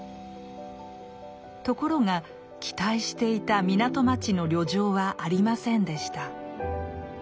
ところが期待していた港町の旅情はありませんでした。